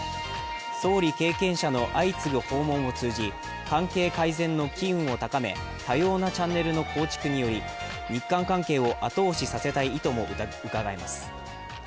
総理経験者の相次ぐ訪問を通じ関係改善の気運を高め多様なチャンネルの構築により、日韓関係を後押しさせたい意図もうかがえます。